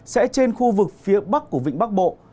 sẽ trên khu vực phía bắc của vịnh bắc bộ